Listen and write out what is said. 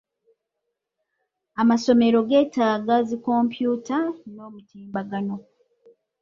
Amasomero geetaaga zi kompyuta n'omutimbagano.